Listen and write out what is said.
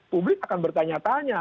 publik akan bertanya tanya